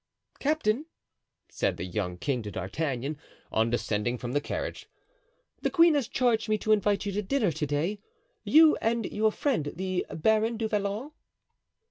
"Captain," said the young king to D'Artagnan, on descending from the carriage, "the queen has charged me to invite you to dinner to day—you and your friend the Baron du Vallon."